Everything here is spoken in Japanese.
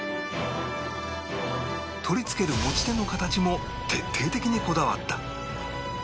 取り付ける持ち手の形も徹底的にこだわった